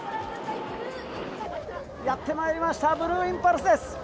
やってまいりました、ブルーインパルスです。